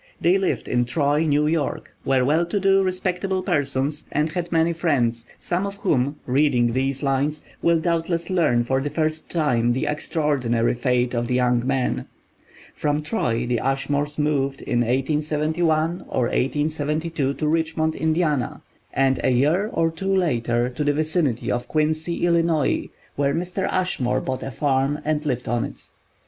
They lived in Troy, New York, were well to do, respectable persons, and had many friends, some of whom, reading these lines, will doubtless learn for the first time the extraordinary fate of the young man. From Troy the Ashmores moved in 1871 or 1872 to Richmond, Indiana, and a year or two later to the vicinity of Quincy, Illinois, where Mr. Ashmore bought a farm and lived on it.